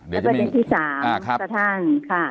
แล้วก็เป็นที่๓ประทั่งค่ะ